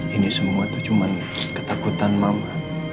ini semua tuh cuman ketakutan mama